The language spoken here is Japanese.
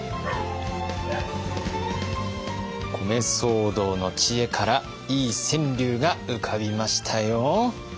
米騒動の知恵からいい川柳が浮かびましたよ。